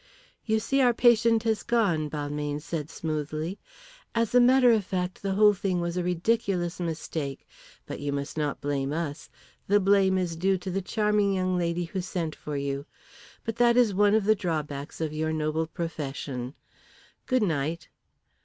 "You see our patient has gone," Balmayne said smoothly. "As a matter of fact, the whole thing was a ridiculous mistake. But you must not blame us. The blame is due to the charming young lady who sent for you. But that is one of the drawbacks of your noble profession. Goodnight."